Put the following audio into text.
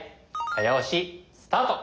早押しスタート！